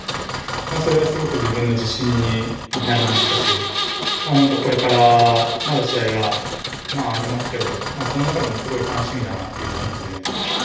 それがすごく自分の自信になりましたしこれからまだ試合がありますけどその中でも、すごい楽しみだなという気持ちでいます。